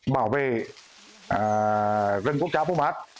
bảo vệ rừng quốc gia pumat